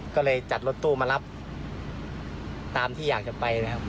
ก็เลยจัดรถตู้มารับตามที่อยากจะไปนะครับ